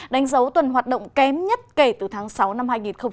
đánh dấu tuần hoạt động kém nhất kể từ tháng sáu năm hai nghìn hai mươi